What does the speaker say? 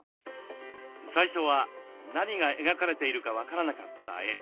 最初は何が描かれているか分からなかった絵。